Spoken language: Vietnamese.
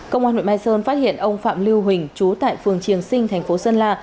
công an huyện mai sơn phát hiện ông phạm lưu huỳnh chú tại phường triềng sinh thành phố sơn la